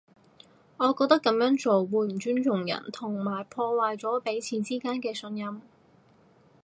我覺得噉樣做會唔尊重人，同埋破壞咗彼此之間嘅信任